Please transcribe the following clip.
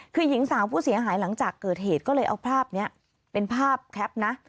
คือหญิงสาวผู้เสียหายหลังจากเกิดเหตุก็เลยเอาภาพนี้เป็นภาพแคปนะ